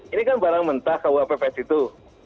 ini kan barang mentah kuh pps itu